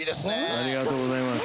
ありがとうございます。